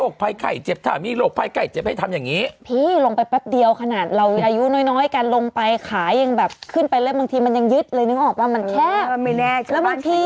เข้าใจแต่บางทีมันลงไปจะไปรู้ได้ยังไง